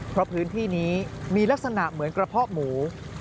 เพราะพื้นที่นี้มีลักษณะเหมือนกระเพาะหมู